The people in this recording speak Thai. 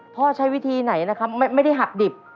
ใช้วิธีไหนนะครับไม่ได้หักดิบ